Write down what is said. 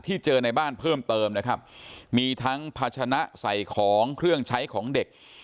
เจอในบ้านเพิ่มเติมนะครับมีทั้งภาชนะใส่ของเครื่องใช้ของเด็ก